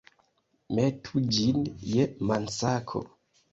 Metu ĝin je mansako.